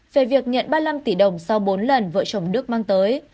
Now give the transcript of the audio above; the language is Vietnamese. về việc nhận ba mươi năm tỷ đồng sau bốn lần vợ chồng đức mang tới